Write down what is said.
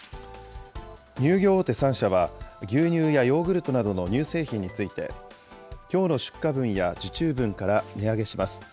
乳業大手３社は、牛乳やヨーグルトなどの乳製品について、きょうの出荷分や受注分から値上げします。